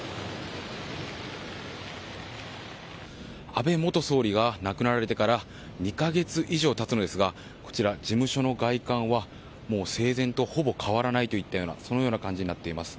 安倍元総理が亡くなられてから２か月以上が経つのですが事務所の外観は生前とほぼ変わらないといったそのような感じになっています。